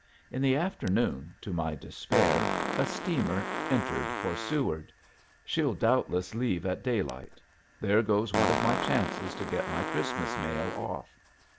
In the afternoon to my despair a steamer entered for Seward; she'll doubtless leave at daylight. There goes one of my chances to get my Christmas mail off.